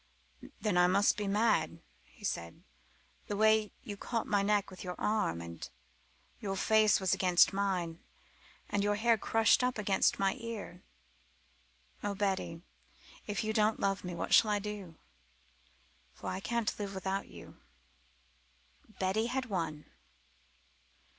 "Then I must be mad," he said; "the way you caught my neck with your arm, and your face was against mine, and your hair crushed up against my ear. Oh, Betty, if you don't love me, what shall I do? For I can't live without you." Betty had won.